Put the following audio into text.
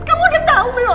kamu udah tau belum